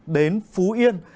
đến phú yên